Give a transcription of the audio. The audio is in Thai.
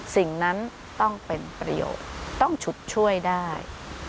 สิ่งนั้นต้องเป็นประโยชน์ต้องฉุดช่วยได้